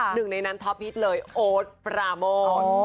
หนึ่งในนั้นท็อปฮิตเลยโอ๊ตปราโมท